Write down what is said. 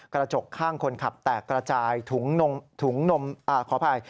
กระจกข้างคนขับแตกกระจาย